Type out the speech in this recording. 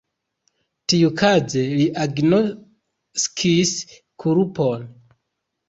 Tiukaze li agnoskis kulpon.